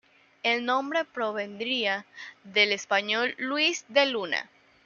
El nombre provendría del español Luis de Luna.